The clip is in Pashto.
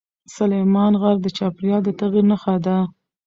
سلیمان غر د چاپېریال د تغیر نښه ده.